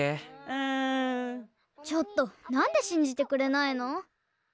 ちょっとなんでしんじてくれないの？